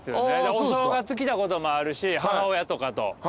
お正月来たこともあるし母親とかと。